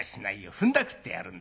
ふんだくってやるんだ。